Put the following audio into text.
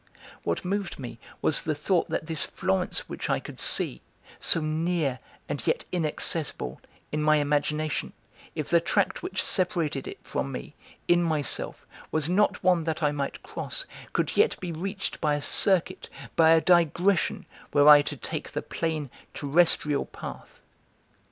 What moved me was the thought that this Florence which I could see, so near and yet inaccessible, in my imagination, if the tract which separated it from me, in myself, was not one that I might cross, could yet be reached by a circuit, by a digression, were I to take the plain, terrestrial path.